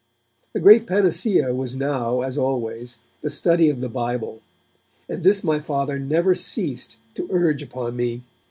The great panacea was now, as always, the study of the Bible, and this my Father never ceased to urge upon me.